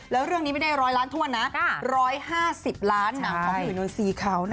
แล้วเรื่องนี้ไม่ได้ร้อยล้านถ้วนนะ๑๕๐ล้านหนังเขาอยู่ในซีเขานะคะ